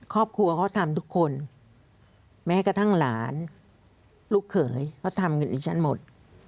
ครอบครัวเขาทำทุกคนแม้กระทั่งหลานลูกเขยเขาทำกับดิฉันหมด